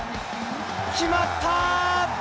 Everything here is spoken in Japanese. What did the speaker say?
決まった！